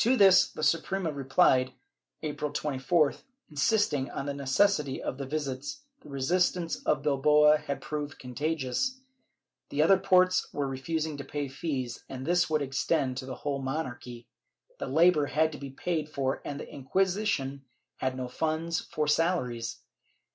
To this the Suprema replied, April 24th, insisting on the necessity of the visits ; the resistance of Bilbao had proved contagious; the other ports were refusing to pay fees, and this would extend to the whole monarchy; the labor had to be paid for and the Inquisition had no funds for salaries.